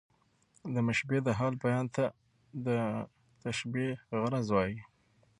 د مشبه د حال بیان ته د تشبېه غرض وايي.